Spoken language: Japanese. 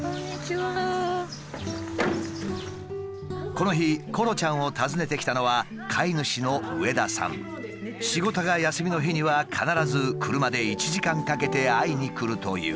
この日コロちゃんを訪ねてきたのは仕事が休みの日には必ず車で１時間かけて会いに来るという。